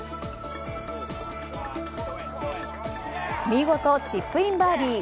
見事チップインバーディー。